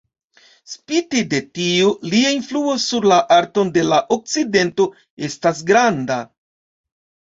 Spite de tio, lia influo sur la arton de la Okcidento estas granda.